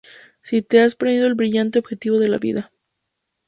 Si te has perdido el brillante objetivo de la vida.